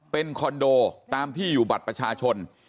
เป็นคอนโดตามที่อยู่บัตรประชาชน